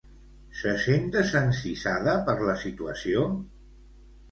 Se sent desencisada per la situació?